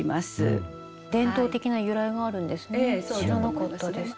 伝統的な由来があるんですね。